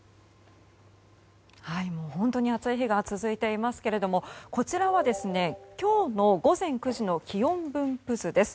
本当に暑い日が続いていますけどこちらは今日の午前９時の気温分布図です。